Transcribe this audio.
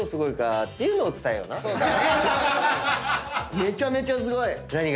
めちゃめちゃすごい！何が？